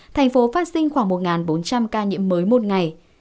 thành phố phát sinh khoảng một bốn trăm linh ca nhiễm mới một ngày